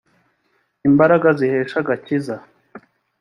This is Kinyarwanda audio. rm imbaraga zihesha agakiza